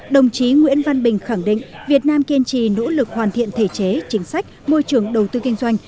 đồng chí nguyễn văn bình khẳng định việt nam kiên trì nỗ lực hoàn thiện thể chế chính sách môi trường đầu tư kinh doanh